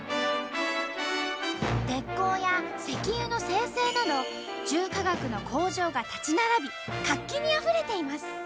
鉄鋼や石油の精製など重化学の工場が立ち並び活気にあふれています。